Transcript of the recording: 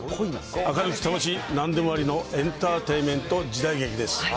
明るく楽しい、なんでもありのエンターテインメント時代劇です。